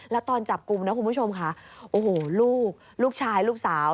แล้วตอนจับกลุ่มนะคุณผู้ชมค่ะโอ้โหลูกลูกชายลูกสาว